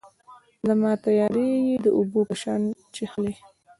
زما تیارې یې د اوبو په شان چیښلي